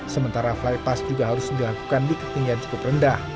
sementara flypass juga harus dilakukan di ketinggian cukup rendah